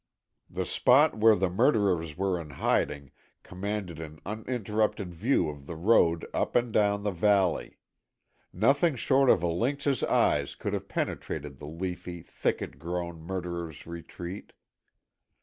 The spot where the murderers were in hiding, commanded an uninterrupted view of the road up and down the valley. Nothing short of a lynx's eyes could have penetrated the leafy, thicket grown murderers' retreat.